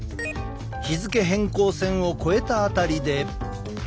日付変更線を越えた辺りで。